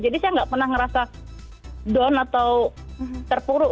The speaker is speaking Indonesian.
jadi saya nggak pernah ngerasa down atau terpuruk